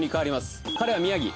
彼は、宮城。